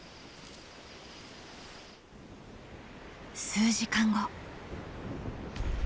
数時間後。